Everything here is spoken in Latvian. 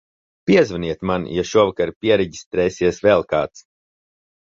Piezvaniet man, ja šovakar piereģistrēsies vēl kāds.